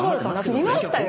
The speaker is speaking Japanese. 見ましたよ。